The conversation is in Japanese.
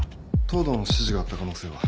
藤堂の指示があった可能性は？